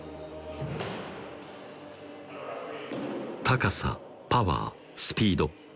高さパワースピード